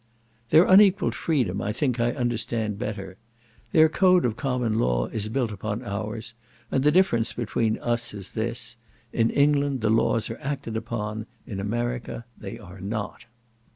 Their unequalled freedom, I think, I understand better. Their code of common law is built upon ours; and the difference between us is this, in England the laws are acted upon, in America they are not.